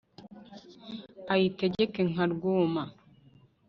ayitegeke nka rwuma